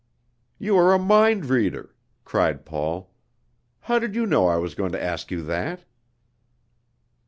"You are a mind reader!" cried Paul. "How did you know I was going to ask you that?"